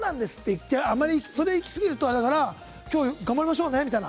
ってそれでいきすぎるとあれだから今日頑張りましょうねみたいな。